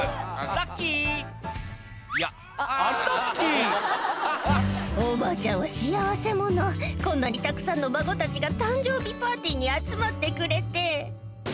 ラッキー」いやアンラッキー「おばあちゃんは幸せ者こんなにたくさんの孫たちが誕生日パーティーに集まってくれて」